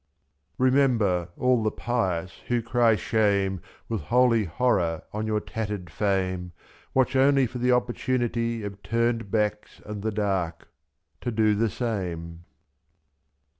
Remember, all the pious who cry shame. With holy horror, on your tattered fame, r7i' Watch only for the opportunity Of turned backs and the dark — to do the same.